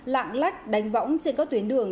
lạng lách đánh võng trên các tuyến đường